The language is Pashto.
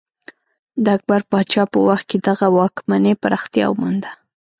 د اکبر پاچا په وخت کې دغه واکمنۍ پراختیا ومونده.